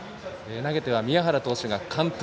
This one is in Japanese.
投げては宮原投手が完封。